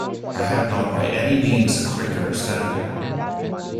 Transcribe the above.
I have not by any means a quick understanding.